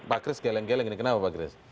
pak kris geleng geleng ini kenapa pak kris